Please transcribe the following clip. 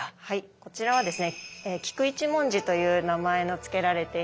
こちらはですね